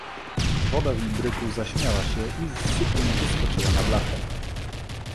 Woda w imbryku zaśmiała się i z sykiem wyskoczyła na blachę.